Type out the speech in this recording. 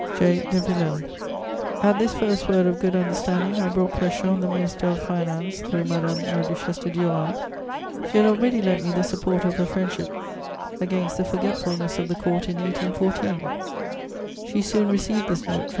"JH. DE VILLÈLE." At this first word of good understanding, I brought pressure on the Minister of Finance through Madame la Duchesse de Duras; she had already lent me the support of her friendship against the forgetfulness of the Court in 1814. She soon received this note from M.